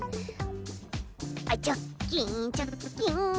あっチョッキンチョッキン。